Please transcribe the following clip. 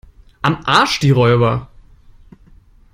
Am Arsch die Räuber!